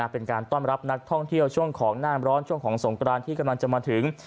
เป็นการต้อนรับนักท่องเที่ยวช่วงของน้ำร้อนช่วงของสงกรานที่กำลังจะมาถึง